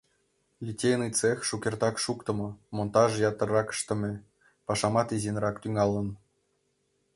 Литейный цех шукертак шуктымо, монтажат ятырак ыштыме, пашамат изинрак тӱҥалын.